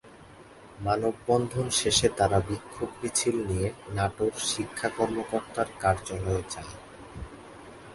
মানববন্ধন শেষে তারা বিক্ষোভ মিছিল নিয়ে নাটোর শিক্ষা কর্মকর্তার কার্যালয়ে যায়।